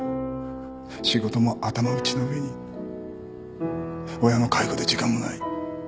仕事も頭打ちな上に親の介護で時間もない。